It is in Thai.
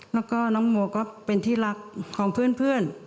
แล้วก็น้องโมก็เป็นที่รักของเพื่อน